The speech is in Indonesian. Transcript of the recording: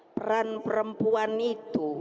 peran perempuan itu